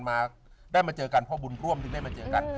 มาได้มาเจอกันพ่อบุญร่วมจึงได้มาเจอกัน